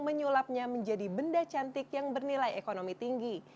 menyulapnya menjadi benda cantik yang bernilai ekonomi tinggi